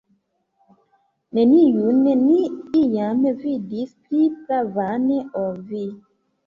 Neniun ni iam vidis pli bravan, ol vi!